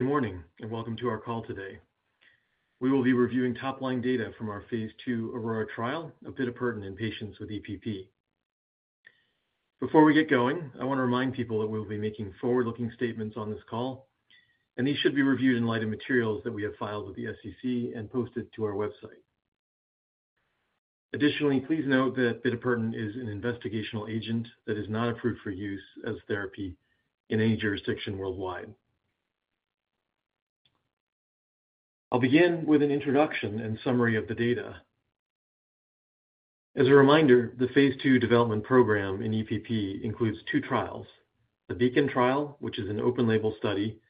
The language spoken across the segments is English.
Good morning, and welcome to our call today. We will be reviewing top-line data from our phase II AURORA trial of bitopertin in patients with EPP. Before we get going, I want to remind people that we'll be making forward-looking statements on this call, and these should be reviewed in light of materials that we have filed with the SEC and posted to our website. Additionally, please note that bitopertin is an investigational agent that is not approved for use as therapy in any jurisdiction worldwide. I'll begin with an introduction and summary of the data. As a reminder, the phase II development program in EPP includes two trials: the BEACON trial, which is an open-label study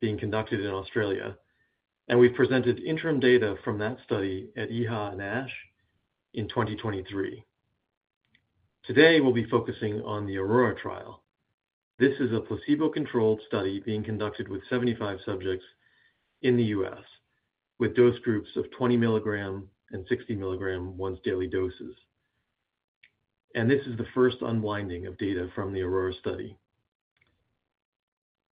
being conducted in Australia, and we've presented interim data from that study at EHA and ASH in 2023. Today, we'll be focusing on the AURORA trial. This is a placebo-controlled study being conducted with 75 subjects in the U.S., with dose groups of 20 mg and 60 mg once-daily doses. This is the first unblinding of data from the AURORA study.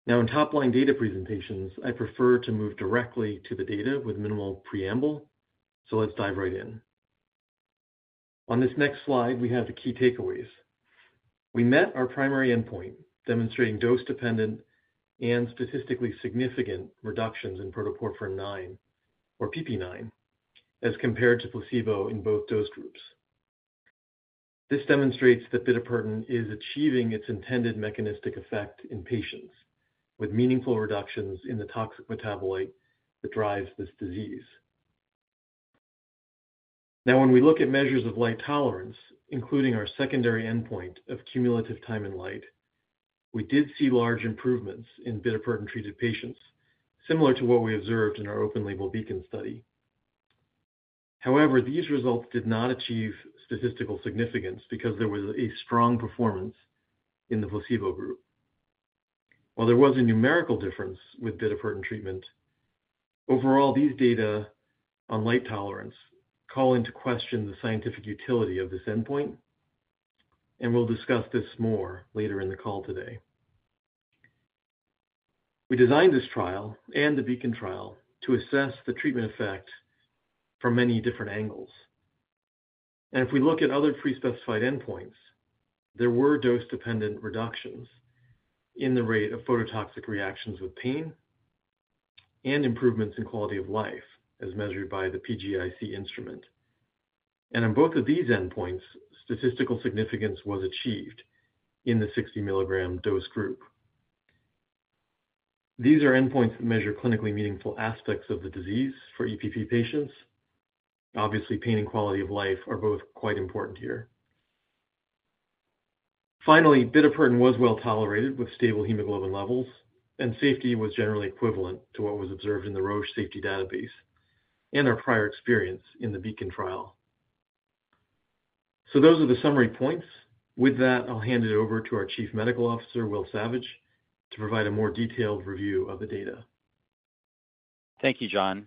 Now, in top-line data presentations, I prefer to move directly to the data with minimal preamble, so let's dive right in. On this next slide, we have the key takeaways. We met our primary endpoint, demonstrating dose-dependent and statistically significant reductions in protoporphyrin IX, or PPIX, as compared to placebo in both dose groups. This demonstrates that bitopertin is achieving its intended mechanistic effect in patients, with meaningful reductions in the toxic metabolite that drives this disease. Now, when we look at measures of light tolerance, including our secondary endpoint of cumulative time in light, we did see large improvements in bitopertin-treated patients, similar to what we observed in our open-label BEACON study. However, these results did not achieve statistical significance because there was a strong performance in the placebo group. While there was a numerical difference with bitopertin treatment; overall, these data on light tolerance call into question the scientific utility of this endpoint, and we'll discuss this more later in the call today. We designed this trial and the BEACON trial to assess the treatment effect from many different angles. If we look at other pre-specified endpoints, there were dose-dependent reductions in the rate of phototoxic reactions with pain and improvements in quality of life, as measured by the PGIC instrument. On both of these endpoints, statistical significance was achieved in the 60 mg dose group. These are endpoints that measure clinically meaningful aspects of the disease for EPP patients. Obviously, pain and quality of life are both quite important here. Finally, bitopertin was well-tolerated with stable hemoglobin levels, and safety was generally equivalent to what was observed in the Roche safety database and our prior experience in the BEACON trial. So those are the summary points. With that, I'll hand it over to our Chief Medical Officer, Will Savage, to provide a more detailed review of the data. Thank you, John.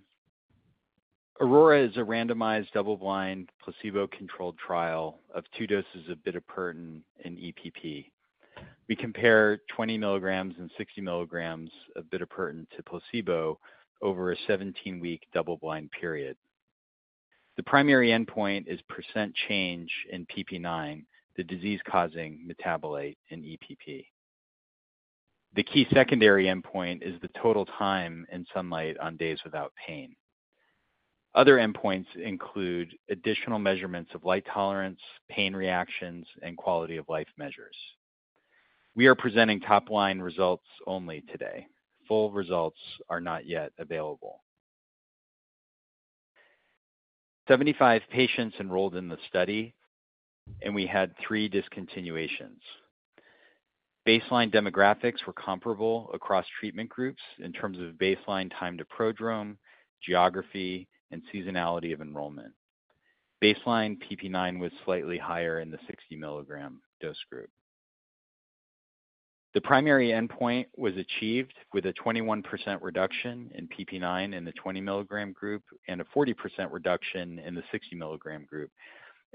AURORA is a randomized, double-blind, placebo-controlled trial of two doses of bitopertin in EPP. We compare 20 mgs and 60 mgs of bitopertin to placebo over a 17-week double-blind period. The primary endpoint is % change in PPIX, the disease-causing metabolite in EPP. The key secondary endpoint is the total time in sunlight on days without pain. Other endpoints include additional measurements of light tolerance, pain reactions, and quality-of-life measures. We are presenting top-line results only today. Full results are not yet available. 75 patients enrolled in the study, and we had 3 discontinuations. Baseline demographics were comparable across treatment groups in terms of baseline time to prodrome, geography, and seasonality of enrollment. Baseline PPIX was slightly higher in the 60 mg dose group. The primary endpoint was achieved with a 21% reduction in PPIX in the 20 mg group, and a 40% reduction in the 60 mg group,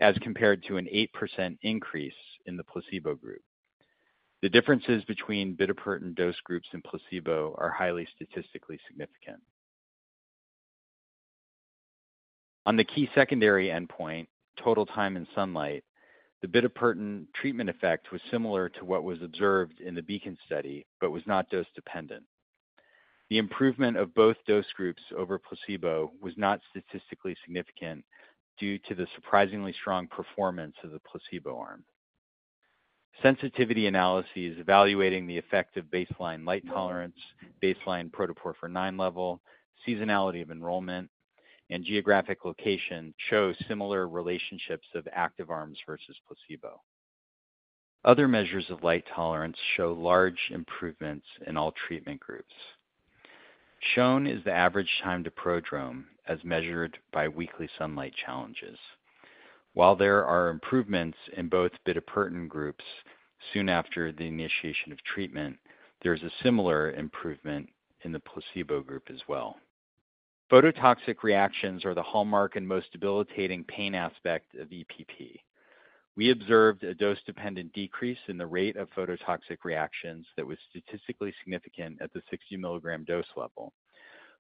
as compared to an 8% increase in the placebo group. The differences between bitopertin dose groups and placebo are highly statistically significant. On the key secondary endpoint, total time in sunlight, the bitopertin treatment effect was similar to what was observed in the BEACON study, but was not dose dependent. The improvement of both dose groups over placebo was not statistically significant due to the surprisingly strong performance of the placebo arm. Sensitivity analyses evaluating the effect of baseline light tolerance, baseline protoporphyrin IX level, seasonality of enrollment, and geographic location show similar relationships of active arms versus placebo. Other measures of light tolerance show large improvements in all treatment groups. Shown is the average time to prodrome, as measured by weekly sunlight challenges. While there are improvements in both bitopertin groups soon after the initiation of treatment, there's a similar improvement in the placebo group as well. Phototoxic reactions are the hallmark and most debilitating pain aspect of EPP. We observed a dose-dependent decrease in the rate of phototoxic reactions that was statistically significant at the 60 mg dose level,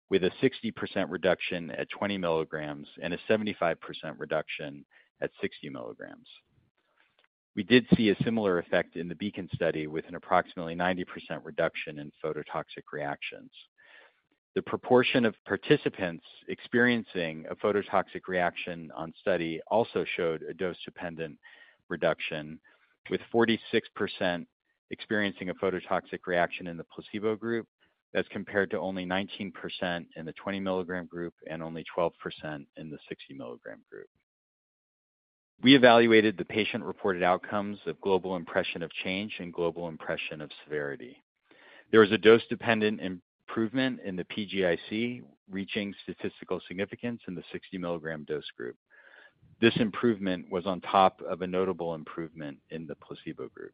with a 60% reduction at 20 mgs and a 75% reduction at 60 mgs. We did see a similar effect in the BEACON study, with an approximately 90% reduction in phototoxic reactions. The proportion of participants experiencing a phototoxic reaction on study also showed a dose-dependent reduction, with 46% experiencing a phototoxic reaction in the placebo group, as compared to only 19% in the 20 mg group and only 12% in the 60 mg group. We evaluated the patient-reported outcomes of global impression of change and global impression of severity. There was a dose-dependent improvement in the PGIC, reaching statistical significance in the 60 mg dose group. This improvement was on top of a notable improvement in the placebo group.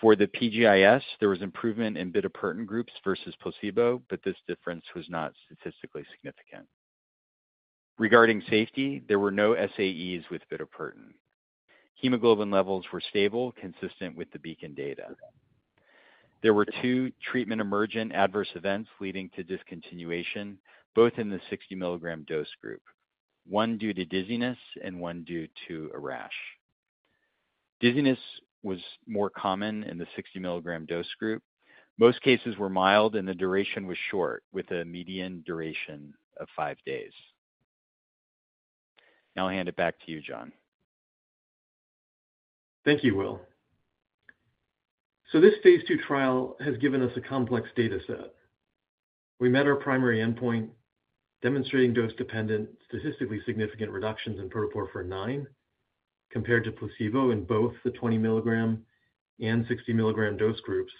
For the PGIS, there was improvement in bitopertin groups versus placebo, but this difference was not statistically significant. Regarding safety, there were no SAEs with bitopertin. Hemoglobin levels were stable, consistent with the BEACON data. There were 2 treatment-emergent adverse events leading to discontinuation, both in the 60 mg dose group, 1 due to dizziness and 1 due to a rash. Dizziness was more common in the 60 mg dose group. Most cases were mild, and the duration was short, with a median duration of 5 days. Now I'll hand it back to you, John. Thank you, Will. So this phase II trial has given us a complex data set. We met our primary endpoint, demonstrating dose-dependent, statistically significant reductions in protoporphyrin IX compared to placebo in both the 20 mg and 60 mg dose groups.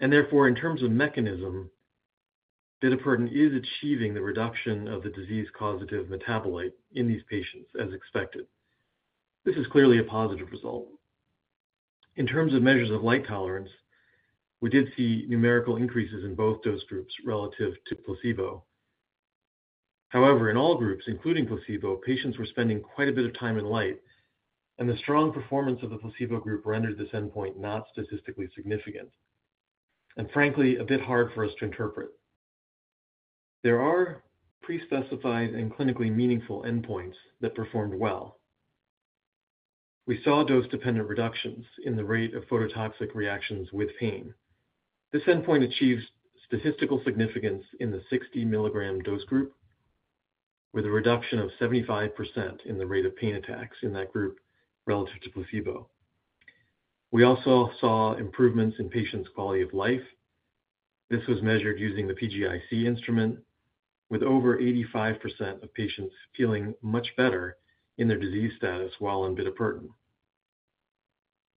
And therefore, in terms of mechanism, bitopertin is achieving the reduction of the disease-causative metabolite in these patients as expected. This is clearly a positive result. In terms of measures of light tolerance, we did see numerical increases in both dose groups relative to placebo. However, in all groups, including placebo, patients were spending quite a bit of time in light, and the strong performance of the placebo group rendered this endpoint not statistically significant, and frankly, a bit hard for us to interpret. There are pre-specified and clinically meaningful endpoints that performed well. We saw dose-dependent reductions in the rate of phototoxic reactions with pain. This endpoint achieves statistical significance in the 60 mg dose group, with a reduction of 75% in the rate of pain attacks in that group relative to placebo. We also saw improvements in patients' quality of life. This was measured using the PGIC instrument, with over 85% of patients feeling much better in their disease status while on bitopertin.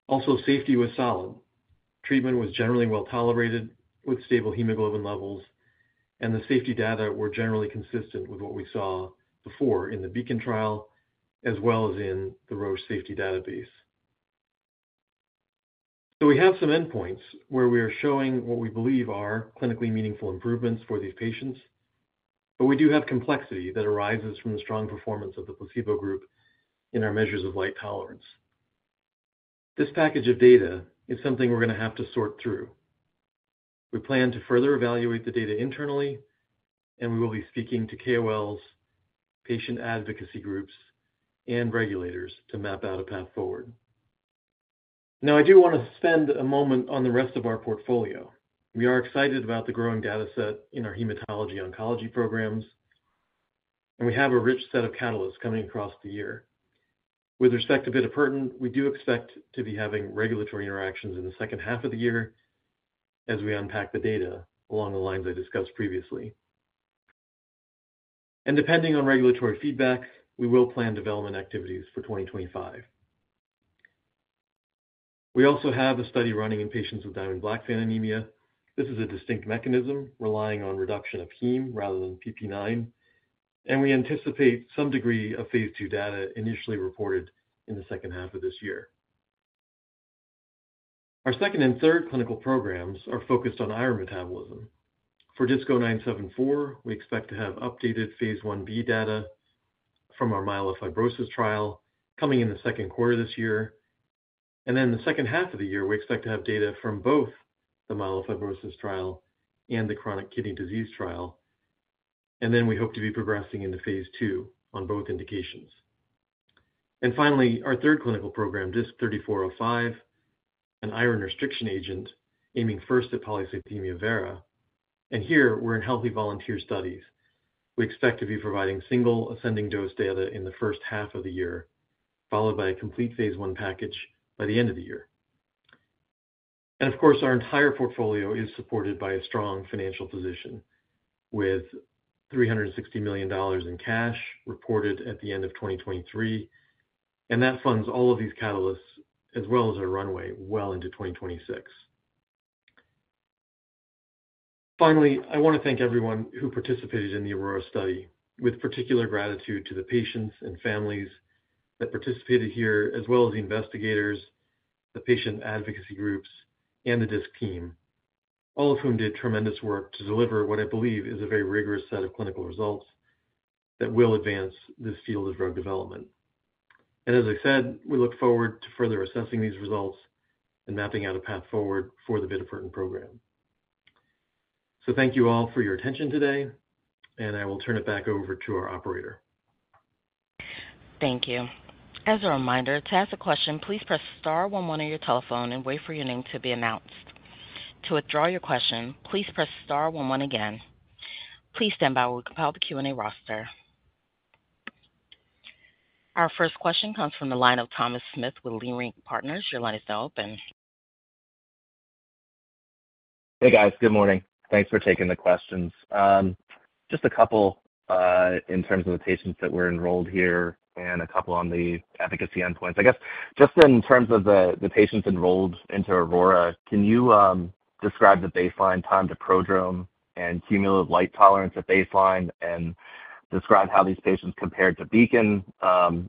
Also, safety was solid. Treatment was generally well-tolerated, with stable hemoglobin levels, and the safety data were generally consistent with what we saw before in the BEACON trial, as well as in the Roche safety database. So we have some endpoints where we are showing what we believe are clinically meaningful improvements for these patients, but we do have complexity that arises from the strong performance of the placebo group in our measures of light tolerance. This package of data is something we're going to have to sort through. We plan to further evaluate the data internally, and we will be speaking to KOLs, patient advocacy groups, and regulators to map out a path forward. Now, I do want to spend a moment on the rest of our portfolio. We are excited about the growing data set in our hematology oncology programs, and we have a rich set of catalysts coming across the year. With respect to bitopertin, we do expect to be having regulatory interactions in the second half of the year as we unpack the data along the lines I discussed previously. Depending on regulatory feedback, we will plan development activities for 2025. We also have a study running in patients with Diamond-Blackfan anemia. This is a distinct mechanism relying on reduction of heme rather than PPIX, and we anticipate some degree of phase II data initially reported in the second half of this year. Our second and third clinical programs are focused on iron metabolism. For DISC-0974, we expect to have updated phase Ib data from our myelofibrosis trial coming in the Q2 this year. And then the second half of the year, we expect to have data from both the myelofibrosis trial and the chronic kidney disease trial. And then we hope to be progressing into phase II on both indications. And finally, our third clinical program, DISC-3405, an iron restriction agent aiming first at polycythemia vera. And here we're in healthy volunteer studies. We expect to be providing single ascending dose data in the first half of the year, followed by a complete phase I package by the end of the year. And of course, our entire portfolio is supported by a strong financial position with $360 million in cash reported at the end of 2023, and that funds all of these catalysts as well as our runway well into 2026. Finally, I want to thank everyone who participated in the AURORA study, with particular gratitude to the patients and families that participated here, as well as the investigators, the patient advocacy groups and the DISC team, all of whom did tremendous work to deliver what I believe is a very rigorous set of clinical results that will advance this field of drug development. And as I said, we look forward to further assessing these results and mapping out a path forward for the bitopertin program. So thank you all for your attention today, and I will turn it back over to our operator. Thank you. As a reminder, to ask a question, please press star one one on your telephone and wait for your name to be announced. To withdraw your question, please press star one one again. Please stand by while we compile the Q&A roster. Our first question comes from the line of Thomas Smith with Leerink Partners. Your line is now open. Hey, guys. Good morning. Thanks for taking the questions. Just a couple in terms of the patients that were enrolled here and a couple on the efficacy endpoints. Just in terms of the, the patients enrolled into AURORA, can you describe the baseline time to prodrome and cumulative light tolerance at baseline and describe how these patients compared to BEACON,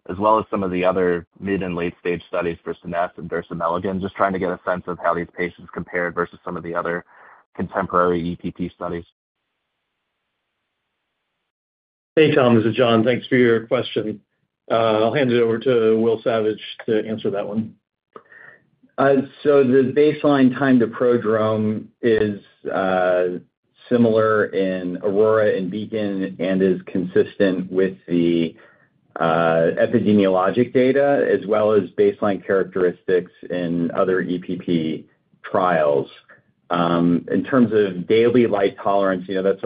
as well as some of the other mid- and late-stage studies for Scenesse and dersimelagon? Just trying to get a sense of how these patients compared versus some of the other contemporary EPP studies. Hey, Tom, this is John. Thanks for your question. I'll hand it over to Will Savage to answer that one. So the baseline time to prodrome is similar in AURORA and BEACON and is consistent with the epidemiologic data as well as baseline characteristics in other EPP trials. In terms of daily light tolerance, you know, that's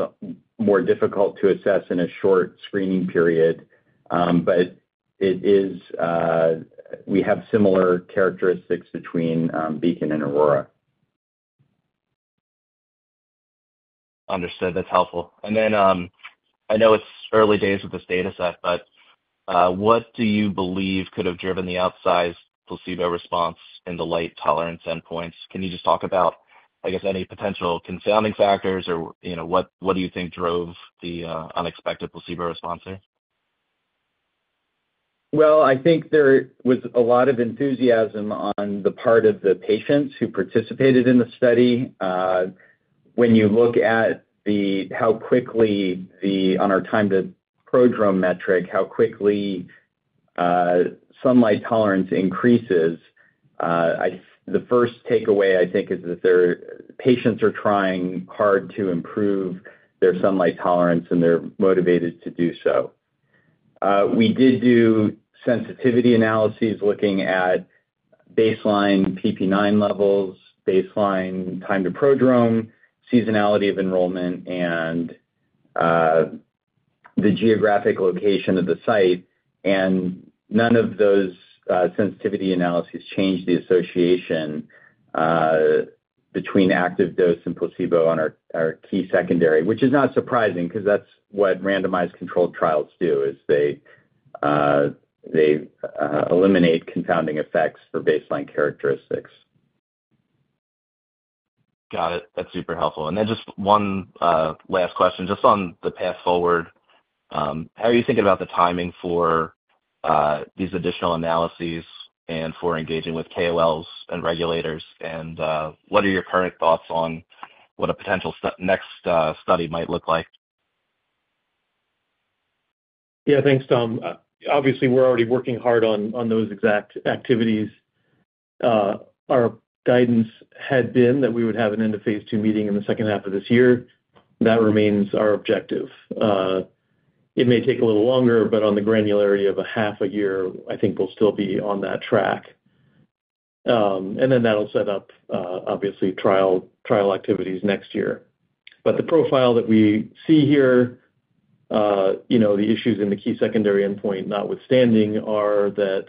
more difficult to assess in a short screening period. But it is, we have similar characteristics between BEACON and AURORA. Understood. That's helpful. And then, I know it's early days with this data set, but, what do you believe could have driven the outsized placebo response in the light tolerance endpoints? Can you just talk about, I guess, any potential confounding factors or, you know, what, what do you think drove the, unexpected placebo response there? Well, I think there was a lot of enthusiasm on the part of the patients who participated in the study. When you look at how quickly the, on our time to prodrome metric, how quickly sunlight tolerance increases, the first takeaway, I think, is that their patients are trying hard to improve their sunlight tolerance, and they're motivated to do so. We did do sensitivity analyses looking at baseline PPIX levels, baseline time to prodrome, seasonality of enrollment, and the geographic location of the site. None of those sensitivity analyses changed the association between active dose and placebo on our key secondary, which is not surprising because that's what randomized controlled trials do, is they eliminate confounding effects for baseline characteristics. Got it. That's super helpful. And then just one last question, just on the path forward. How are you thinking about the timing for these additional analyses and for engaging with KOLs and regulators? And what are your current thoughts on what a potential next study might look like? Yeah, thanks, Tom. Obviously, we're already working hard on those exact activities. Our guidance had been that we would have an end-of-phase two meeting in the second half of this year. That remains our objective. It may take a little longer, but on the granularity of a half a year, I think we'll still be on that track. And then that'll set up, obviously, trial activities next year. But the profile that we see here, you know, the issues in the key secondary endpoint notwithstanding, are that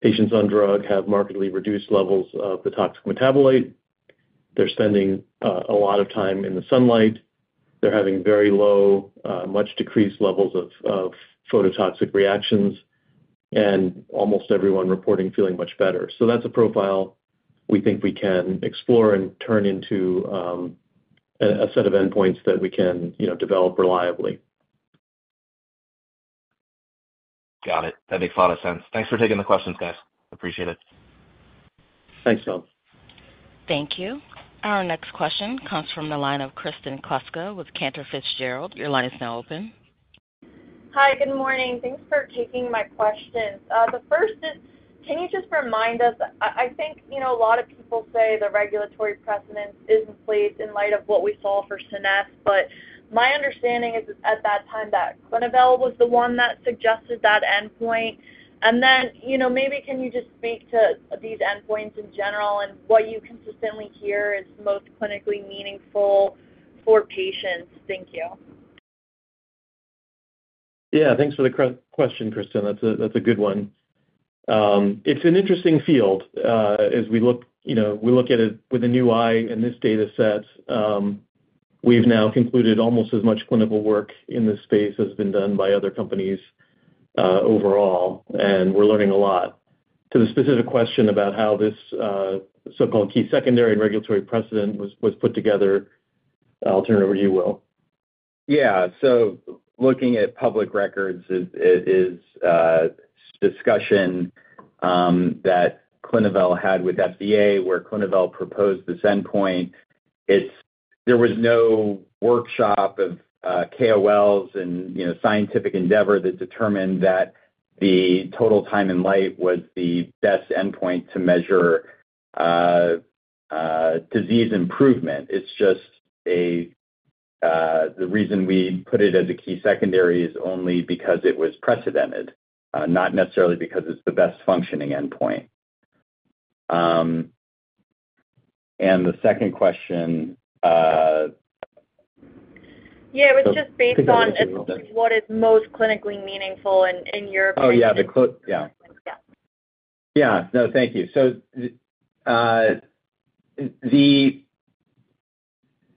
patients on drug have markedly reduced levels of the toxic metabolite. They're spending a lot of time in the sunlight. They're having very low, much decreased levels of phototoxic reactions, and almost everyone reporting feeling much better. So that's a profile we think we can explore and turn into a set of endpoints that we can, you know, develop reliably. Got it. That makes a lot of sense. Thanks for taking the questions, guys. Appreciate it. Thanks, Tom. Thank you. Our next question comes from the line of Kristen Kluska with Cantor Fitzgerald. Your line is now open. Hi, good morning. Thanks for taking my questions. The first is, can you just remind us—I, I think, you know, a lot of people say the regulatory precedent is in place in light of what we saw for Scenesse, but my understanding is at that time, that Clinuvel was the one that suggested that endpoint. And then, you know, maybe can you just speak to these endpoints in general and what you consistently hear is most clinically meaningful for patients? Thank you. Yeah, thanks for the question, Kristen. That's a good one. It's an interesting field. As we look, you know, we look at it with a new eye in this data set. We've now concluded almost as much clinical work in this space as been done by other companies overall, and we're learning a lot. To the specific question about how this so-called key secondary and regulatory precedent was put together, I'll turn it over to you, Will. Yeah. So looking at public records is discussion that Clinuvel had with FDA, where Clinuvel proposed this endpoint. It's. There was no workshop of KOLs and, you know, scientific endeavor that determined that the total time in light was the best endpoint to measure disease improvement. It's just the reason we put it as a key secondary is only because it was precedented, not necessarily because it's the best functioning endpoint. And the second question, Yeah, it was just based on. Take a guess in a little bit. What is most clinically meaningful in your opinion? Oh, yeah. Yeah. Yeah. Yeah. No, thank you. So,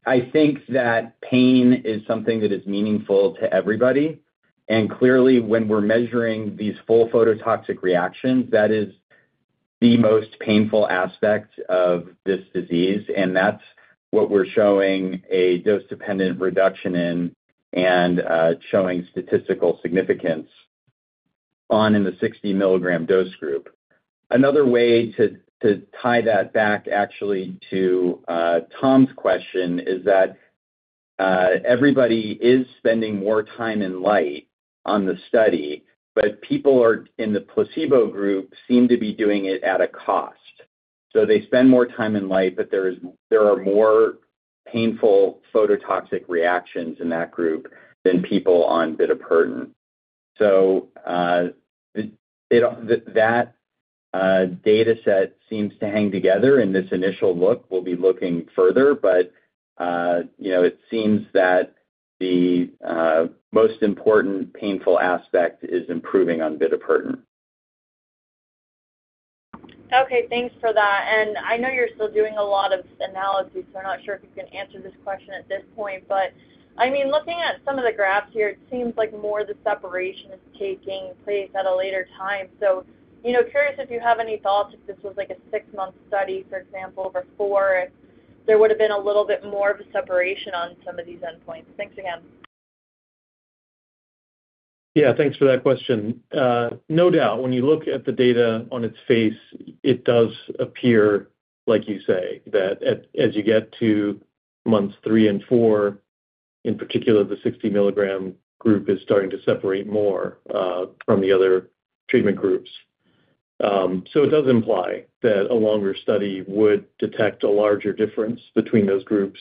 I think that pain is something that is meaningful to everybody. And clearly, when we're measuring these full phototoxic reactions, that is the most painful aspect of this disease, and that's what we're showing a dose-dependent reduction in and showing statistical significance on in the 60 mg dose group. Another way to tie that back actually to Tom's question is that everybody is spending more time in light on the study, but people in the placebo group seem to be doing it at a cost. So they spend more time in light, but there are more painful phototoxic reactions in that group than people on bitopertin. So, that data set seems to hang together in this initial look. We'll be looking further, but, you know, it seems that the most important painful aspect is improving on bitopertin. Okay, thanks for that. I know you're still doing a lot of analysis, so I'm not sure if you can answer this question at this point, but, I mean, looking at some of the graphs here, it seems like more of the separation is taking place at a later time. So, you know, curious if you have any thoughts, if this was like a 6-month study, for example, over 4, if there would have been a little bit more of a separation on some of these endpoints. Thanks again. Yeah, thanks for that question. No doubt, when you look at the data on its face, it does appear like you say, that, as you get to months 3 and 4, in particular, the 60 mg group is starting to separate more from the other treatment groups. So it does imply that a longer study would detect a larger difference between those groups.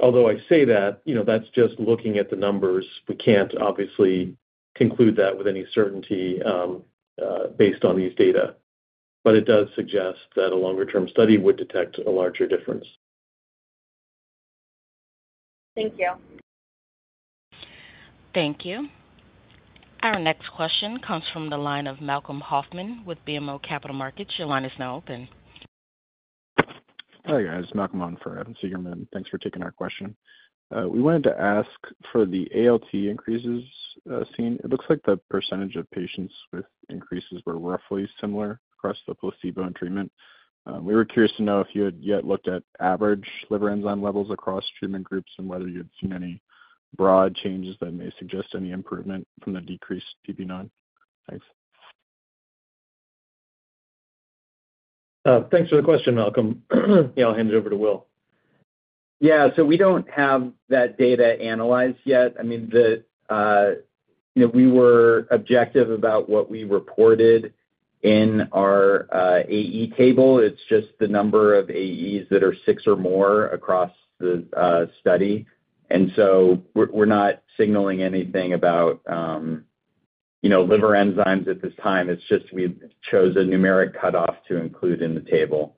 Although I say that, you know, that's just looking at the numbers. We can't obviously conclude that with any certainty based on these data, but it does suggest that a longer-term study would detect a larger difference. Thank you. Thank you. Our next question comes from the line of Malcolm Hoffman with BMO Capital Markets. Your line is now open. Hi, guys, Malcolm Hoffman for Evan Seigerman. Thanks for taking our question. We wanted to ask for the ALT increases seen. It looks like the percentage of patients with increases were roughly similar across the placebo and treatment. We were curious to know if you had yet looked at average liver enzyme levels across treatment groups and whether you had seen any broad changes that may suggest any improvement from the decreased PPIX. Thanks. Thanks for the question, Malcolm. Yeah, I'll hand it over to Will. Yeah, so we don't have that data analyzed yet. I mean, you know, we were objective about what we reported in our AE table. It's just the number of AEs that are six or more across the study. And so we're not signaling anything about, you know, liver enzymes at this time. It's just we've chosen a numeric cutoff to include in the table.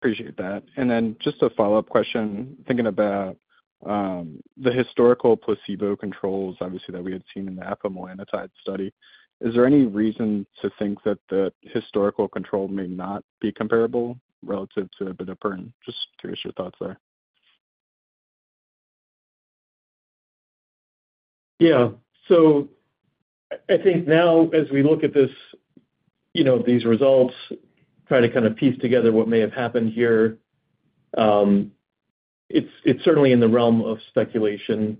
Appreciate that. And then just a follow-up question, thinking about the historical placebo controls, obviously, that we had seen in the afamelanotide study. Is there any reason to think that the historical control may not be comparable relative to bitopertin? Just curious your thoughts there. Yeah. So I think now as we look at this, you know, these results, try to kind of piece together what may have happened here, it's certainly in the realm of speculation.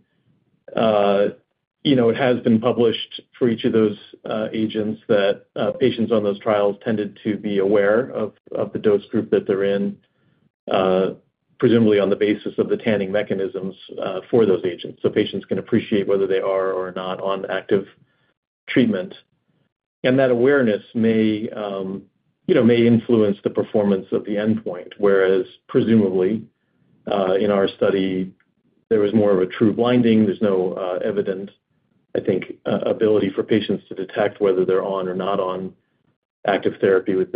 You know, it has been published for each of those agents that patients on those trials tended to be aware of the dose group that they're in, presumably on the basis of the tanning mechanisms for those agents. So patients can appreciate whether they are or not on active treatment. And that awareness may, you know, may influence the performance of the endpoint, whereas presumably in our study, there was more of a true blinding. There's no evident, I think, ability for patients to detect whether they're on or not on active therapy with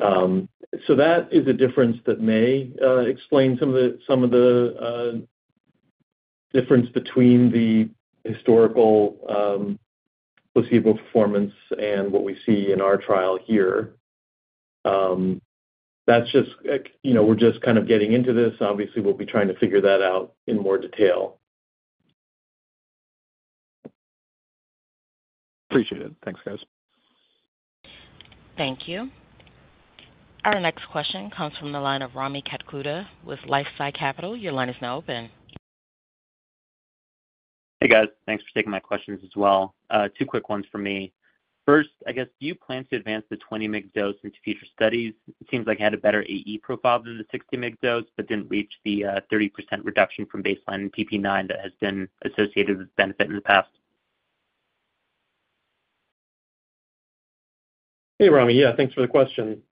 bitopertin. So that is a difference that may explain some of the difference between the historical placebo performance and what we see in our trial here. That's just, you know, we're just kind of getting into this. Obviously, we'll be trying to figure that out in more detail. Appreciate it. Thanks, guys. Thank you. Our next question comes from the line of Rami Katkhouda with LifeSci Capital. Your line is now open. Hey, guys. Thanks for taking my questions as well. Two quick ones for me. First, I guess, do you plan to advance the 20 mg dose into future studies? It seems like it had a better AE profile than the 60 mg dose, but didn't reach the 30% reduction from baseline in PPIX that has been associated with benefit in the past. Hey, Rami. Yeah, thanks for the question.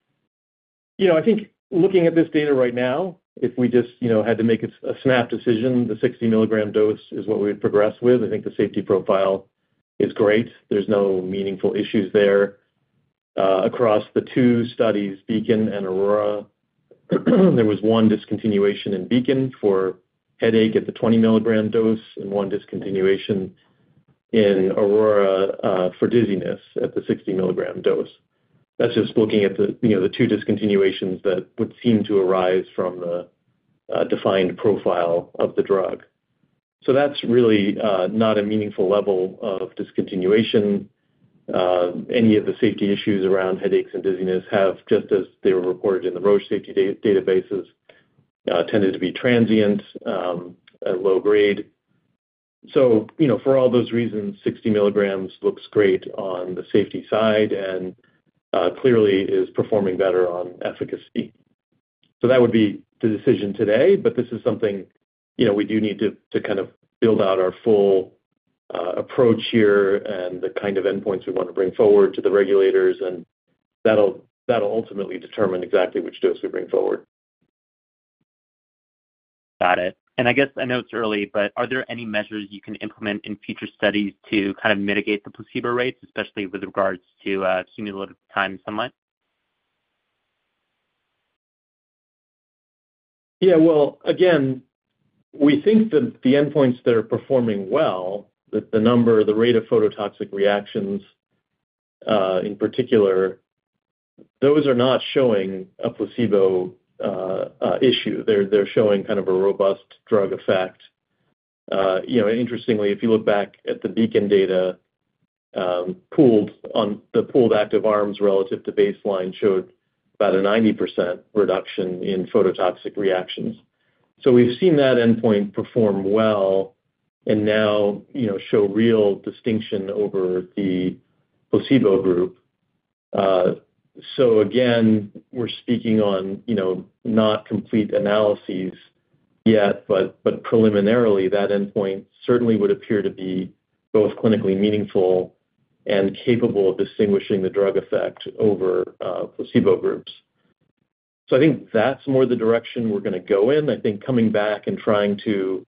You know, I think looking at this data right now, if we just, you know, had to make a snap decision, the 60 mg dose is what we would progress with. I think the safety profile is great. There's no meaningful issues there. Across the two studies, BEACON and AURORA, there was one discontinuation in BEACON for headache at the 20 mg dose and one discontinuation in AURORA for dizziness at the 60 mg dose. That's just looking at the, you know, the two discontinuations that would seem to arise from the defined profile of the drug. So that's really not a meaningful level of discontinuation. Any of the safety issues around headaches and dizziness have, just as they were reported in the Roche safety databases, tended to be transient and low grade. So, you know, for all those reasons, 60 mgs looks great on the safety side and clearly is performing better on efficacy. So that would be the decision today, but this is something, you know, we do need to kind of build out our full approach here and the kind of endpoints we want to bring forward to the regulators, and that'll ultimately determine exactly which dose we bring forward. Got it. And I guess I know it's early, but are there any measures you can implement in future studies to kind of mitigate the placebo rates, especially with regards to, cumulative time somewhat? Yeah, well, again, we think that the endpoints that are performing well, that the number, the rate of phototoxic reactions, in particular, those are not showing a placebo issue. They're, they're showing kind of a robust drug effect. You know, interestingly, if you look back at the BEACON data, pooled on the pooled active arms relative to baseline, showed about a 90% reduction in phototoxic reactions. So we've seen that endpoint perform well and now, you know, show real distinction over the placebo group. So again, we're speaking on, you know, not complete analyses yet, but, but preliminarily, that endpoint certainly would appear to be both clinically meaningful and capable of distinguishing the drug effect over, placebo groups. So I think that's more the direction we're gonna go in. I think coming back and trying to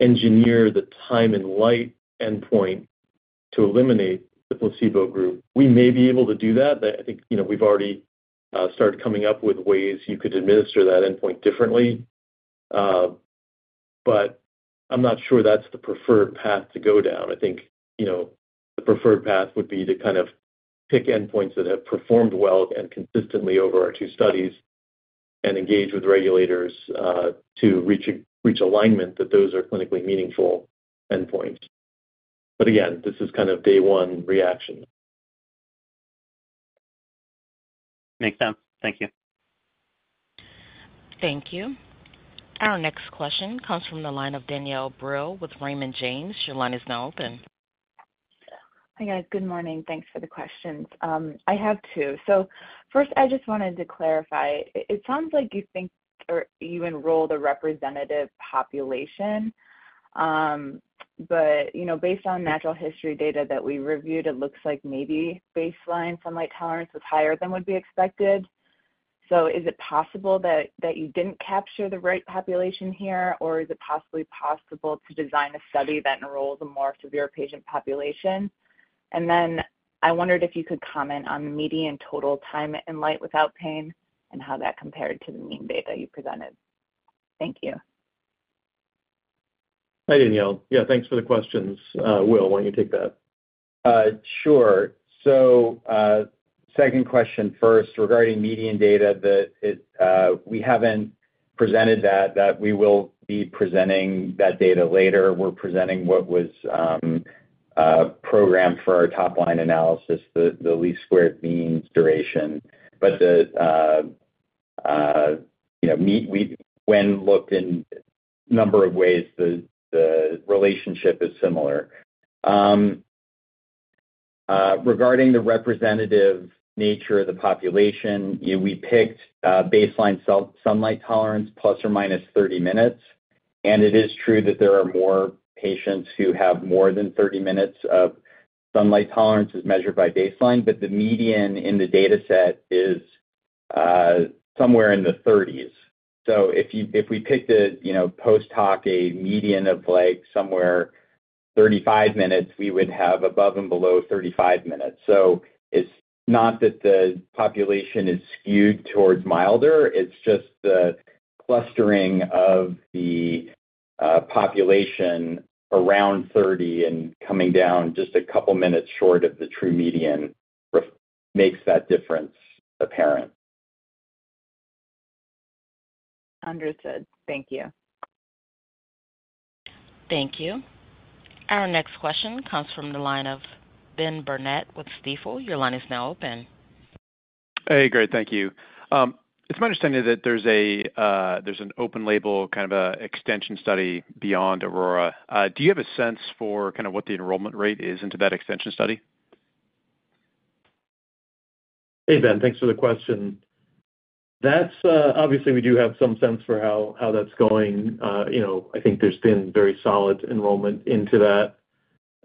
engineer the time and light endpoint to eliminate the placebo group, we may be able to do that. But I think, you know, we've already started coming up with ways you could administer that endpoint differently. But I'm not sure that's the preferred path to go down. I think, you know, the preferred path would be to kind of pick endpoints that have performed well and consistently over our two studies and engage with regulators to reach alignment that those are clinically meaningful endpoints. But again, this is kind of day one reaction. Makes sense. Thank you. Thank you. Our next question comes from the line of Danielle Brill with Raymond James. Your line is now open. Hi, guys. Good morning. Thanks for the questions. I have two. So first, I just wanted to clarify. It sounds like you think, or you enroll the representative population, but you know, based on natural history data that we reviewed, it looks like maybe baseline sunlight tolerance was higher than would be expected. So is it possible that you didn't capture the right population here, or is it possible to design a study that enrolls a more severe patient population? And then I wondered if you could comment on the median total time and light without pain and how that compared to the mean data you presented. Thank you. Hi, Danielle. Yeah, thanks for the questions. Will, why don't you take that? Sure. So, second question first, regarding median data, it, we haven't presented that, that we will be presenting that data later. We're presenting what was programmed for our top-line analysis, the least squares means duration. But you know, when looked in number of ways, the relationship is similar. Regarding the representative nature of the population, you know, we picked baseline sunlight tolerance plus or minus 30 minutes, and it is true that there are more patients who have more than 30 minutes of sunlight tolerance as measured by baseline, but the median in the dataset is somewhere in the thirties. So if we picked, you know, post-hoc, a median of, like, somewhere 35 minutes, we would have above and below 35 minutes. It's not that the population is skewed towards milder, it's just the clustering of the population around 30 and coming down just a couple minutes short of the true median makes that difference apparent. Understood. Thank you. Thank you. Our next question comes from the line of Ben Burnett with Stifel. Your line is now open. Hey, great. Thank you. It's my understanding that there's an open label, kind of a extension study beyond AURORA. Do you have a sense for kind of what the enrollment rate is into that extension study? Hey, Ben. Thanks for the question. That's obviously we do have some sense for how that's going. You know, I think there's been very solid enrollment into that.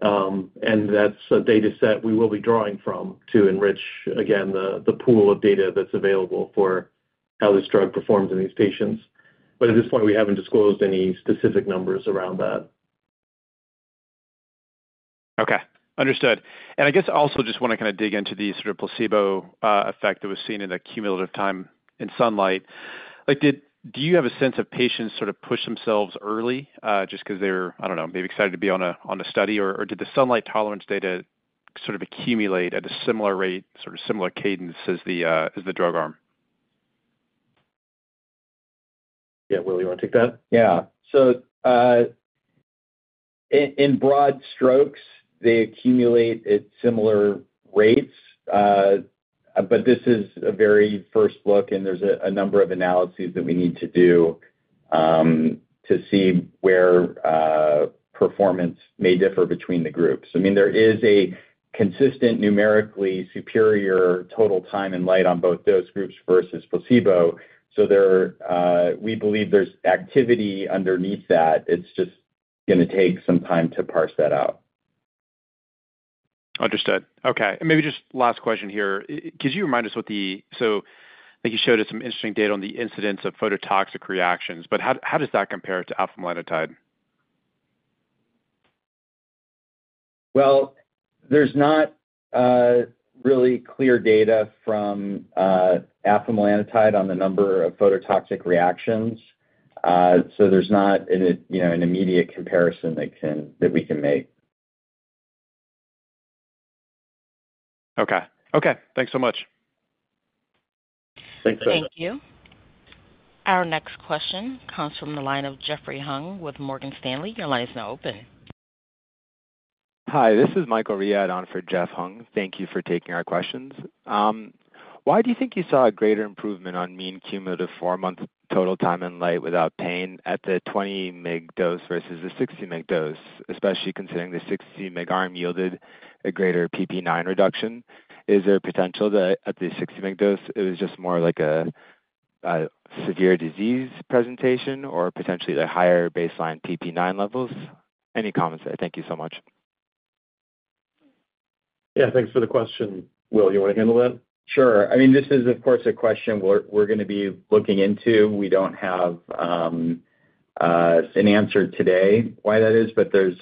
And that's a data set we will be drawing from to enrich, again, the pool of data that's available for how this drug performs in these patients. But at this point, we haven't disclosed any specific numbers around that. Okay, understood. And I guess also just wanna kind of dig into the sort of placebo effect that was seen in the cumulative time in sunlight. Like, did you have a sense of patients sort of pushed themselves early just 'cause they're, I don't know, maybe excited to be on a study? Or did the sunlight tolerance data sort of accumulate at a similar rate, sort of similar cadence as the drug arm? Yeah. Will, you wanna take that? Yeah. So, in broad strokes, they accumulate at similar rates, but this is a very first look, and there's a number of analyses that we need to do, to see where performance may differ between the groups. I mean, there is a consistent, numerically superior total time and light on both those groups versus placebo. So, there, we believe there's activity underneath that. It's just gonna take some time to parse that out. Understood. Okay, and maybe just last question here. Could you remind us? So I think you showed us some interesting data on the incidence of phototoxic reactions, but how, how does that compare to afamelanotide? Well, there's not really clear data from afamelanotide on the number of phototoxic reactions. So there's not, you know, an immediate comparison that we can make. Okay. Okay, thanks so much. Thanks. Thank you. Our next question comes from the line of Jeffrey Hung with Morgan Stanley. Your line is now open. Hi, this is Michael Riad on for Jeff Hung. Thank you for taking our questions. Why do you think you saw a greater improvement on mean cumulative 4-month total time in light without pain at the 20 mg dose versus the 60 mg dose, especially considering the 60 mg arm yielded a greater PPIX reduction? Is there a potential that at the 60 mg dose, it was just more like a severe disease presentation or potentially the higher baseline PPIX levels? Any comments there? Thank you so much. Yeah, thanks for the question. Will, you wanna handle that? Sure. I mean, this is, of course, a question we're gonna be looking into. We don't have an answer today why that is, but there's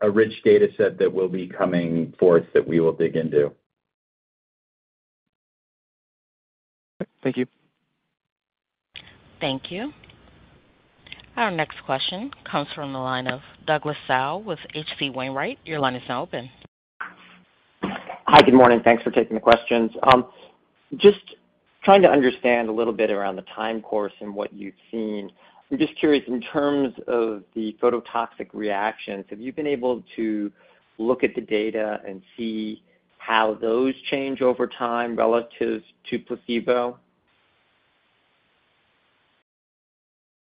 a rich data set that will be coming forth that we will dig into. Thank you. Thank you. Our next question comes from the line of Douglas Tsao with H.C. Wainwright. Your line is now open. Hi, good morning. Thanks for taking the questions. Just trying to understand a little bit around the time course and what you've seen. I'm just curious, in terms of the phototoxic reactions, have you been able to look at the data and see how those change over time relative to placebo?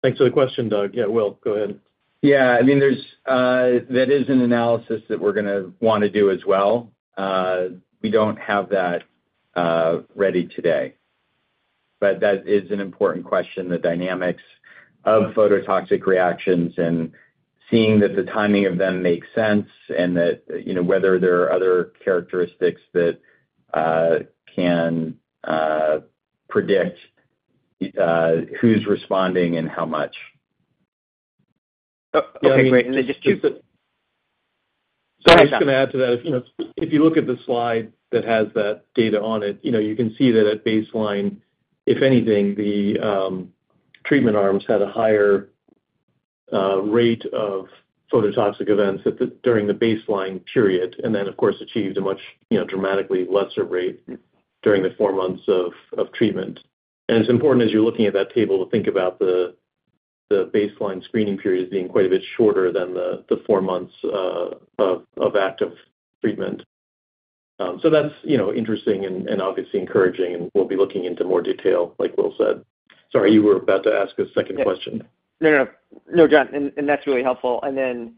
Thanks for the question, Doug. Yeah, Will, go ahead. Yeah, I mean, there is, that is, an analysis that we're gonna wanna do as well. We don't have that ready today, but that is an important question, the dynamics of phototoxic reactions and seeing that the timing of them makes sense and that, you know, whether there are other characteristics that can predict who's responding and how much. Okay, great. And then just to. So I was gonna add to that. If, you know, if you look at the slide that has that data on it, you know, you can see that at baseline, if anything, the treatment arms had a higher rate of phototoxic events during the baseline period. And then, of course, achieved a much, you know, dramatically lesser rate during the four months of treatment. And it's important, as you're looking at that table, to think about the baseline screening period as being quite a bit shorter than the four months of active treatment. So that's, you know, interesting and obviously encouraging, and we'll be looking into more detail, like Will said. Sorry, you were about to ask a second question. No, no, no, John, and, and that's really helpful. And then,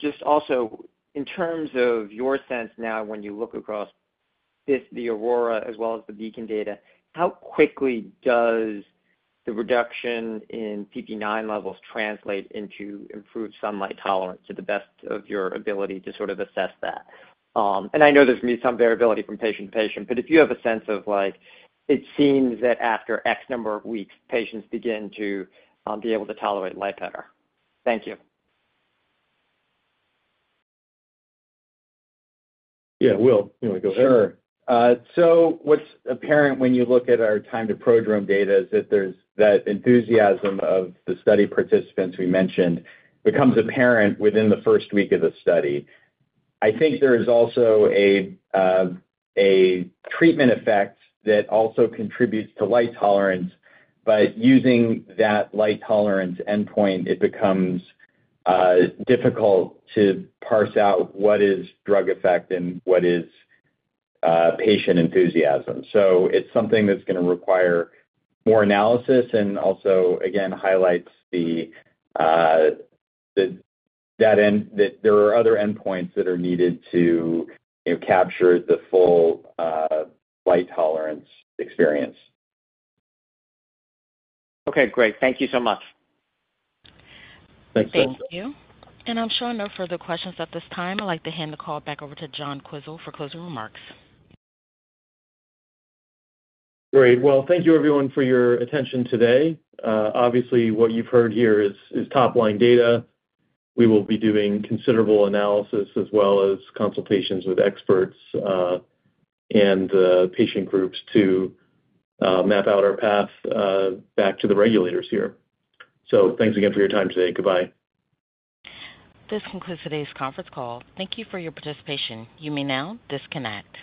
just also in terms of your sense now, when you look across this, the AURORA as well as the BEACON data, how quickly does the reduction in PPIX levels translate into improved sunlight tolerance to the best of your ability to sort of assess that? And I know there's gonna be some variability from patient to patient, but if you have a sense of, like, it seems that after X number of weeks, patients begin to be able to tolerate light better. Thank you. Yeah. Will, you wanna go ahead? Sure. So what's apparent when you look at our time to prodrome data is that there's that enthusiasm of the study participants we mentioned, becomes apparent within the first week of the study. I think there is also a, a treatment effect that also contributes to light tolerance, but using that light tolerance endpoint, it becomes difficult to parse out what is drug effect and what is patient enthusiasm. So it's something that's gonna require more analysis, and also, again, highlights that there are other endpoints that are needed to, you know, capture the full light tolerance experience. Okay, great. Thank you so much. Thanks, Doug. Thank you. I'm showing no further questions at this time. I'd like to hand the call back over to John Quisel for closing remarks. Great. Well, thank you everyone for your attention today. Obviously, what you've heard here is top-line data. We will be doing considerable analysis as well as consultations with experts, and patient groups to map out our path back to the regulators here. So thanks again for your time today. Goodbye. This concludes today's conference call. Thank you for your participation. You may now disconnect.